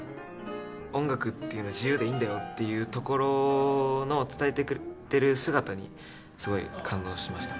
音楽っていうのは自由でいいんだよっていうところの伝えてくれてる姿にすごい感動しましたね。